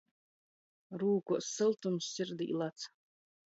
Rūkos syltums, sirdī lads.